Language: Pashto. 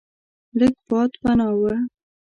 لږ باد پناه و.